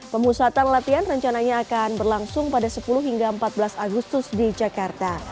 pemusatan latihan rencananya akan berlangsung pada sepuluh hingga empat belas agustus di jakarta